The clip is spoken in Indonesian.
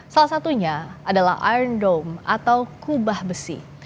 salah satunya adalah aerondom atau kubah besi